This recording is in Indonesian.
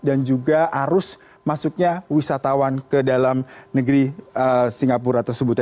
dan juga arus masuknya wisatawan ke dalam negeri singapura tersebut